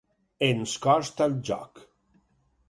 Ens costa el joc.